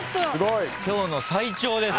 今日の最長です。